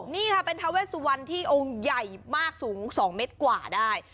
นี่ค่ะเป็นทาเวสวันที่องค์ใหญ่มากสูง๒เมตรกว่าได้